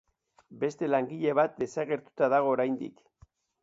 Beste langile bat desagertuta dago oraindik.